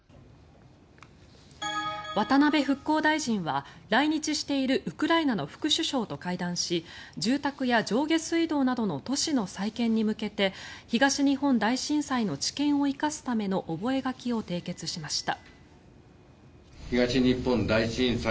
渡辺復興大臣は、来日しているウクライナの副首相と会談し住宅や上下水道などの都市の再建に向けて東日本大震災の知見を生かすための覚書を締結しました。